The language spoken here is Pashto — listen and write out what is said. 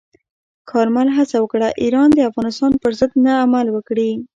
کارمل هڅه وکړه، ایران د افغانستان پر ضد نه عمل وکړي.